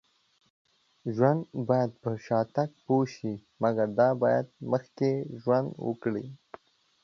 ژوند باید په شاتګ پوه شي. مګر دا باید مخکې ژوند وکړي